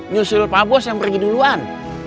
nyusul pak bos yang pergi duluan